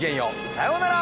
さようなら。